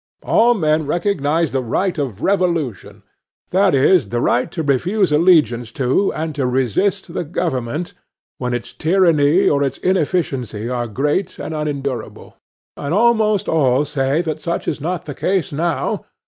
All men recognize the right of revolution; that is, the right to refuse allegiance to and to resist the government, when its tyranny or its inefficiency are great and unendurable. But almost all say that such is not the case now.